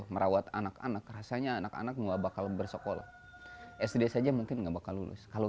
merawat anak anak rasanya anak anak enggak bakal bersekolah sd saja mungkin nggak bakal lulus kalau